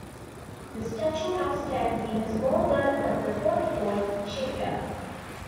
The statue now stands in a small garden of the Port Fuad shipyard.